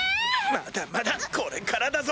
まだまだこれからだぞ！